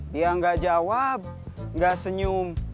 dia gak jawab gak senyum